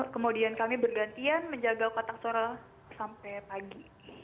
kemudian kami bergantian menjaga kotak suara sampai pagi